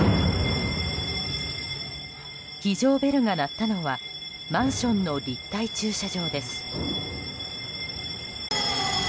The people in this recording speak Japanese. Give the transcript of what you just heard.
非常ベルが鳴ったのはマンションの立体駐車場です。